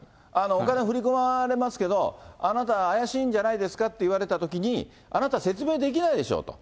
お金を振り込まれますけれども、あなた怪しいんじゃないですかと言われたときに、あなた説明できないでしょと。